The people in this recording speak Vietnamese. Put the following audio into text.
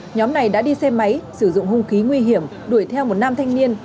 nhóm này đã đi xe máy sử dụng hung khí nguy hiểm đuổi theo một nam thanh niên